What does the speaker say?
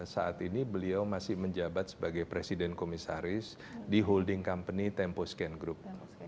saat ini beliau masih menjabat sebagai presiden komisaris di holding company tempo scan group